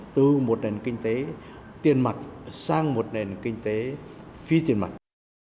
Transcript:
từ một nền kinh tế tiền mặt sang một nền kinh tế phi tiền mặt